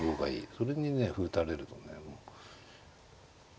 それにね歩打たれるとね。